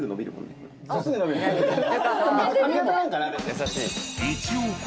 優しい。